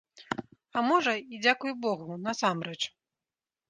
А можа, і дзякуй богу, насамрэч.